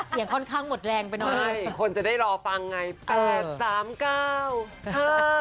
ค่อนข้างหมดแรงไปหน่อยใช่คนจะได้รอฟังไงแปดสามเก้าห้า